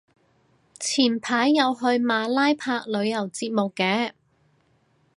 前排有去馬拉拍旅遊節目嘅